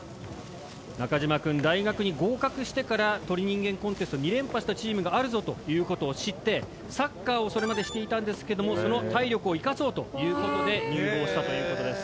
中島くん大学に合格してから『鳥人間コンテスト』２連覇したチームがあるぞという事を知ってサッカーをそれまでしていたんですけどもその体力を生かそうという事で入部をしたという事です。